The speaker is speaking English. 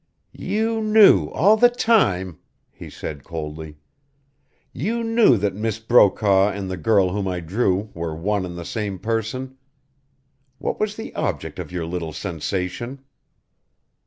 "You knew all the time," he said, coldly. "You knew that Miss Brokaw and the girl whom I drew were one and the same person. What was the object of your little sensation?"